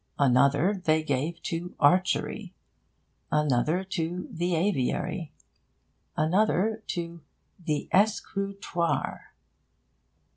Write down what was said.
Another they gave to 'Archery,' another to 'The Aviary,' another to 'The Escrutoire.'